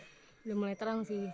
sudah mulai terang sih